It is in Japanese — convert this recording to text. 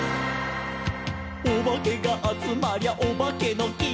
「おばけがあつまりゃおばけのき」